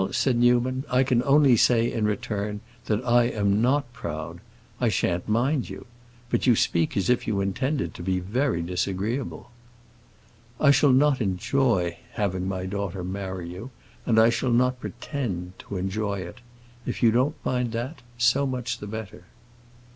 "Well," said Newman, "I can only say, in return, that I am not proud; I shan't mind you! But you speak as if you intended to be very disagreeable." "I shall not enjoy having my daughter marry you, and I shall not pretend to enjoy it. If you don't mind that, so much the better."